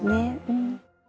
うん。